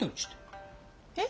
えっ？